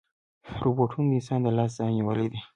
روبوټونه د انسان د لاس ځای نیولی دی.